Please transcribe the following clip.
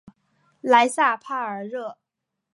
莱塞帕尔热。